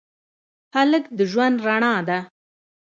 هلک د ژوند رڼا ده.